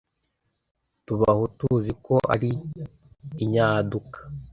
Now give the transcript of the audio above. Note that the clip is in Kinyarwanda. Tuba aho tuzi ko ari inyaduka